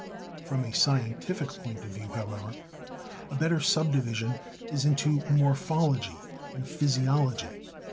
From a scientific point of view, however, a better subdivision is into Morphology and Physiology.